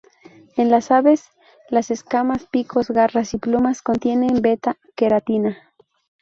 En las aves, las escamas, picos, garras y plumas contienen beta-queratina.